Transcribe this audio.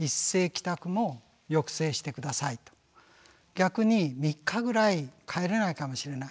逆に３日ぐらい帰れないかもしれない。